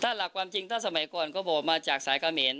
ถ้าหลักความจริงถ้าสมัยก่อนเขาบอกมาจากสายเขมร